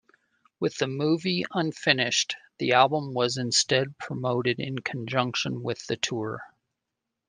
With the movie unfinished, the album was instead promoted in conjunction with the tour.